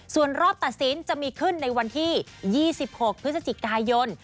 ส่วนรอบตัดสินจะมีขึ้นในวันที่๒๖พฤศจิกายน